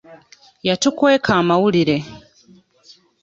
Yatukweeka amawulire.